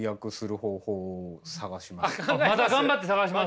まだ頑張って探します？